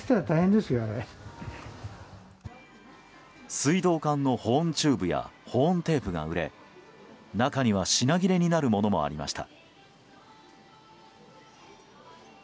水道管の保温チューブや保温テープが売れ中には品切れになるものもありました。